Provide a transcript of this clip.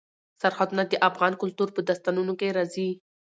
سرحدونه د افغان کلتور په داستانونو کې راځي.